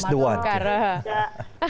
dia yang pertama